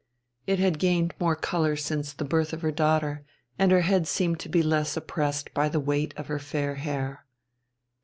It had gained more colour since the birth of her daughter, and her head seemed to be less oppressed by the weight of her fair hair.